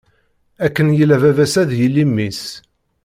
Akken yella baba-s, ad yili mmi-s.